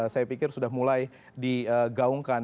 saya pikir sudah mulai digaungkan